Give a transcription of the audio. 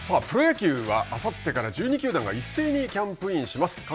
プロ野球はあさってから１２球団が一斉にキャンプインします。